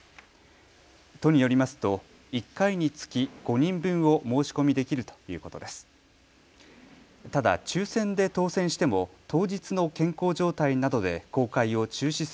都によりますと１回につき５人分を申し込みできるということです。